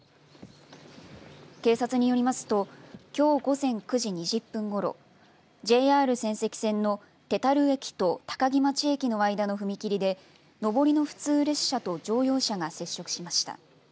警察によりますときょう午前９時２０分ごろＪＲ仙石線の手樽駅と高城町駅の間の踏切で上りの普通列車と乗用車が接触しました。